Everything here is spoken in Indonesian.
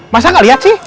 masa gak liat sih